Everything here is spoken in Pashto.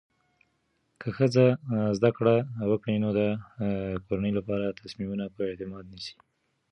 که ښځه زده کړه وکړي، نو د کورنۍ لپاره تصمیمونه په اعتماد نیسي.